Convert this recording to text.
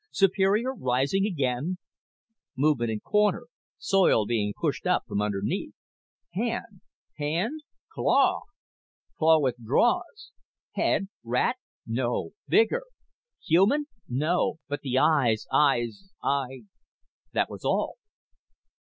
Superior rising again? Movement in corner soil being pushed up from underneath. Hand. Hand? Claw!_ Claw withdraws. Head. Rat? No. Bigger. Human? No. But the eyes eyes ey That was all.